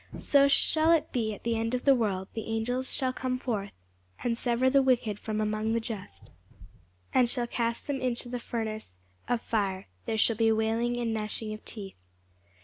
So shall it be at the end of the world: the angels shall come forth, and sever the wicked from among the just, and shall cast them into the furnace of fire: there shall be wailing and gnashing of teeth.